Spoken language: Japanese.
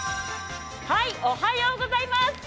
おはようございます。